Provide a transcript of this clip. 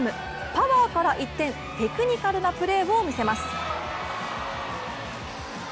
パワーから一転テクニカルなプレーを見せます。